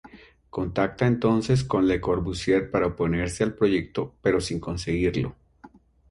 Contacta entonces con Le Corbusier para oponerse al proyecto, pero sin conseguirlo.